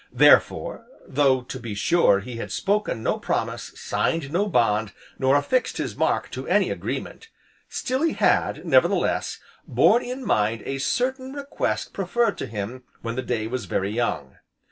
Therefore, though, to be sure, he had spoken no promise, signed no bond, nor affixed his mark to any agreement, still he had, nevertheless, borne in mind a certain request preferred to him when the day was very young.